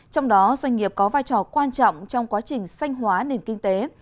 trong đó doanh nghiệp có vai trò quan trọng trong quá trình sanh hóa nền kinh tế